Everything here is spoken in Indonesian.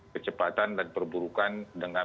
kecepatan dan perburukan dengan